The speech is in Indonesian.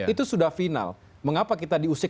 itu sudah final mengapa kita diusik